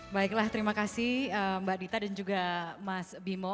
baiklah terima kasih mbak dita dan juga mas bimo